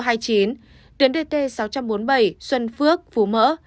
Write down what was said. tuyến dt sáu trăm bốn mươi bảy xuân phước phú mỡ